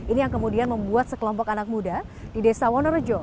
ini yang kemudian membuat sekelompok anak muda di desa wonorejo